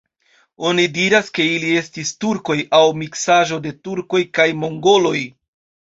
Oni diras, ke ili estis turkoj aŭ miksaĵo de turkoj kaj mongoloj.